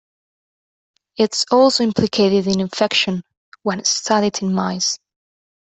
It is also implicated in infection, when studied in mice.